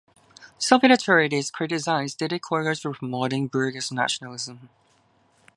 Soviet authorities criticized "Dede Korkut" for promoting bourgeois nationalism.